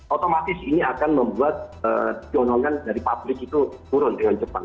otomatis ini akan membuat donongan dari publik itu turun dengan cepat